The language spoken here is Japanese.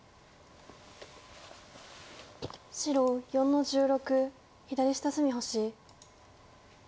白４の十六左下隅星。